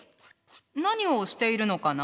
何をしているのかな？